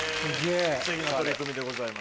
ステキな取り組みでございます。